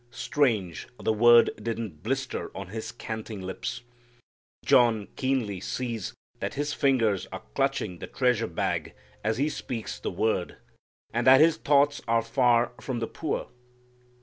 Strange the word didn't blister on his canting lips. John keenly sees that his fingers are clutching the treasure bag as he speaks the word, and that his thoughts are far from the poor.